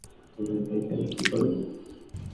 তোমার ভাইকে আমি কি করব?